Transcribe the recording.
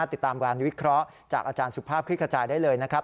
ติดตามการวิเคราะห์จากอาจารย์สุภาพคลิกขจายได้เลยนะครับ